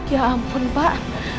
ya ampun pak